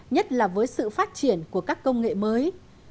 nhất là với sự phát triển của các công nghệ mới